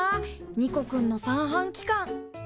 ニコくんの三半規管。